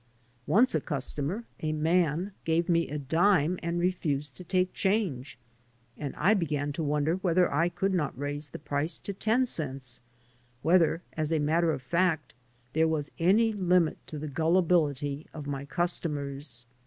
Once a customer — a man— gave me a dime and refused to take change, and I began to wonder whether I could not raise the price to ten cents — whether, as a matter of fact, there was any limit to the gullibility of my customers.